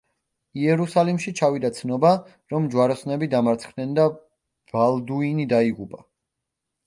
იერუსალიმში ჩავიდა ცნობა, რომ ჯვაროსნები დამარცხდნენ და ბალდუინი დაიღუპა.